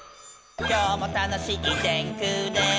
「今日もたのしい電空で」